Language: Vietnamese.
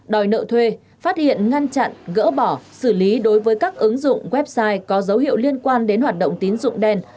đòi nợ thuê phát hiện ngăn chặn gỡ bỏ xử lý đối với các ứng dụng website có dấu hiệu liên quan đến hoạt động tín dụng đen